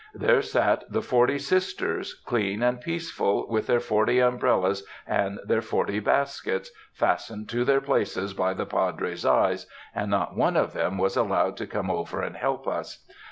There sat the forty "Sisters," clean and peaceful, with their forty umbrellas and their forty baskets, fastened to their places by the Padre's eye, and not one of them was allowed to come over and help us.